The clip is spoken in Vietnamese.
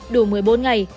đủ một mươi bốn ngày